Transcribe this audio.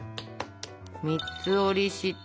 三つ折りして。